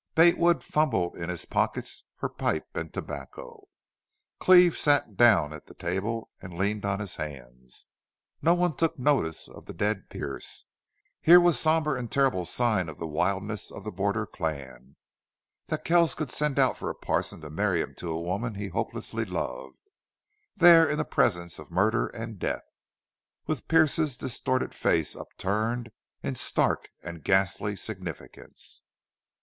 Bate Wood fumbled in his pockets for pipe and tobacco. Cleve sat down at the table and leaned on his hands. No one took notice of the dead Pearce. Here was somber and terrible sign of the wildness of the border clan that Kells could send out for a parson to marry him to a woman he hopelessly loved, there in the presence of murder and death, with Pearce's distorted face upturned in stark and ghastly significance.